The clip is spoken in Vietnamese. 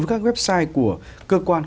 với các website của cơ quan